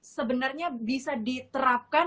sebenarnya bisa diterapkan